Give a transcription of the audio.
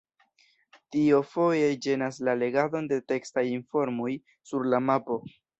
Tio foje ĝenas la legadon de tekstaj informoj sur la mapo.